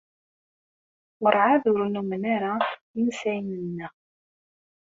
Werɛad ur nnummen ara insayen-nneɣ.